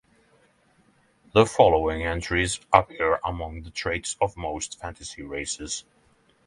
The following entries appear among the traits of most fantasy races.